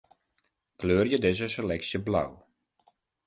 Kleurje dizze seleksje blau.